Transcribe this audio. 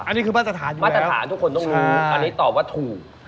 อันนี้คือบ้านสถานอยู่แล้วใช่ใช่อันนี้ตอบว่าถูก